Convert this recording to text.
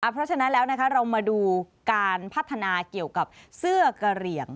เพราะฉะนั้นแล้วเรามาดูการพัฒนาเกี่ยวกับเสื้อกระเหลี่ยง